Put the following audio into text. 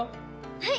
はい。